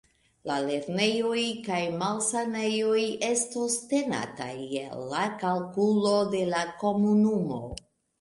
La lernejoj kaj malsanejoj estos tenataj je la kalkulo de la komunumo.